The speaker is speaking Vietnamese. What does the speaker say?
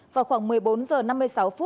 vào khoảng một mươi bốn h năm mươi sáu